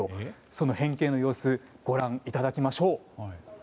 その変形の様子ご覧いただきましょう。